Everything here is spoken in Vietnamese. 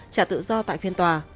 trả tự do tại phiên tòa